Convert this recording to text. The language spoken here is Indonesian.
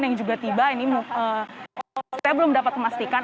yang juga tiba ini saya belum dapat memastikan